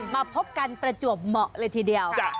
มาพบกันประจวบเหมาะเลยทีเดียว